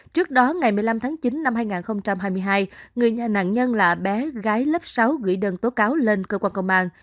trước đó ngày một mươi năm tháng chín năm hai nghìn hai mươi hai người nhà nạn nhân là bé gái lớp sáu gửi đơn tố cáo lên cơ quan công an